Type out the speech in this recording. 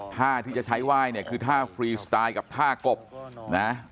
ท่าที่จะใช้ไหว้เนี่ยคือท่าฟรีสไตล์กับท่ากบนะ